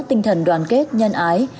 tinh thần đoàn kết nhân ái